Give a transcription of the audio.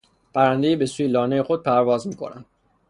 پرندهای به سوی لانهی خود پرواز میکند.